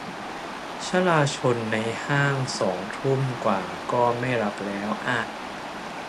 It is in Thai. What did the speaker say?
ชลาชลในห้างสองทุ่มกว่าก็ไม่รับแล้วอะ